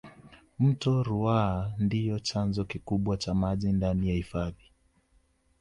mto ruaha ndiyo chanzo kikubwa cha maji ndani ya hifadhi